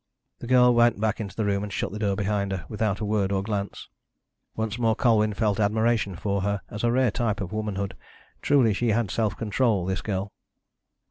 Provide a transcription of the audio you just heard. The girl went back into the room and shut the door behind her, without a word or a glance. Once more Colwyn felt admiration for her as a rare type of woman hood. Truly, she had self control, this girl.